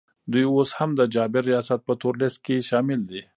دوی اوس هم د جابر ریاست په تور لیست کي شامل دي